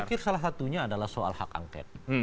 saya pikir salah satunya adalah soal hak angket